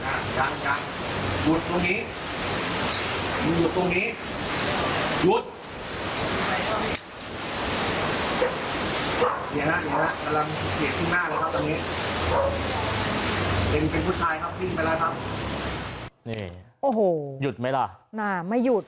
เป็นผู้ชายครับยิงไปแล้วครับโอ้โหหยุดไหมล่ะน่ะไม่หยุด